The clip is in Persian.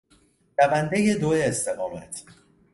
دوندهی دو استقامت